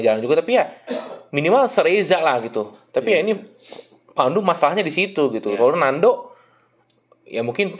satu satunya tim yang